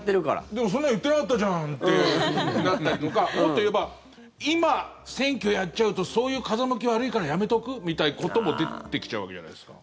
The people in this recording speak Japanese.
でも、そんなの言ってなかったじゃんっていうのだったりとかもっと言えば今、選挙やっちゃうとそういう風向き悪いからやめとくみたいなことも出てきちゃうわけじゃないですか。